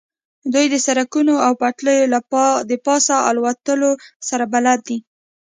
دوی د سړکونو او پټلیو د پاسه الوتلو سره بلد دي